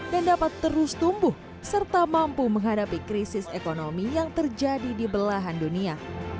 dan dapat terus tumbuh serta mampu menghadapi krisis ekonomi yang terjadi di belahan dunia